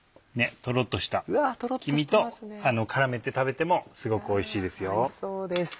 とろっとした黄身と絡めて食べてもすごくおいしいですよ。